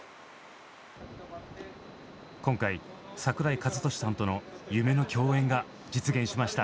今回櫻井和寿さんとの夢の共演が実現しました。